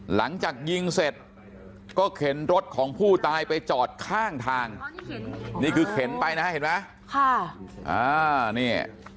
หลังจากยิงเสร็จก็เข็นรถของผู้ตายไปจอดข้างทางนี่คือเข็นไปนะฮะเห็นไหม